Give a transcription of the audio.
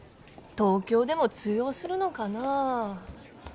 東京でも通用するのかなあ。